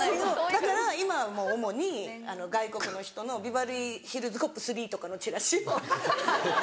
だから今はもう主に外国の人の『ビバリーヒルズ・コップ３』とかのちらしを貼って。